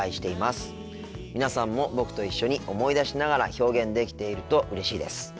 皆さんも僕と一緒に思い出しながら表現できているとうれしいです。